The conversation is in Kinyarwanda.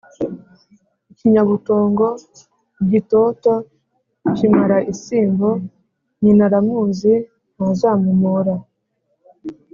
ikinyabutongo, gitoto kimara isimbo, Nyinaramuzi ntazamumora